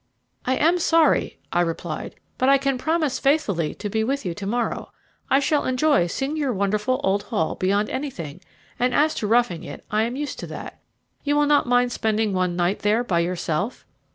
"I am sorry," I replied; "but I can promise faithfully to be with you to morrow. I shall enjoy seeing your wonderful old Hall beyond anything; and as to roughing it, I am used to that. You will not mind spending one night there by yourself?"